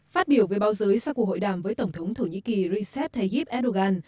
phát biểu về báo giới sau cuộc hội đàm với tổng thống thổ nhĩ kỳ recep tayyip erdogan